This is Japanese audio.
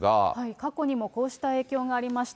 過去にもこうした影響がありました。